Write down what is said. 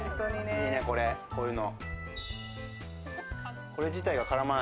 いいね、これ、こういうの。